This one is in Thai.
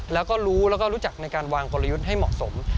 แล้วก็รู้แล้วก็รู้จักในการวางกลยุทธ์ให้เหมาะสม